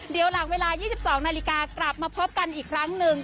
เดี๋ยวหลังเวลา๒๒นาฬิกากลับมาพบกันอีกครั้งหนึ่ง